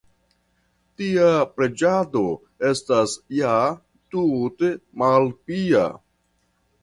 Tia preĝado estas ja tute malpia!